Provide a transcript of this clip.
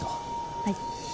はい。